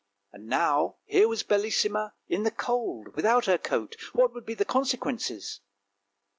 Now here was Bellissima in the cold without her coat; what would be the consequences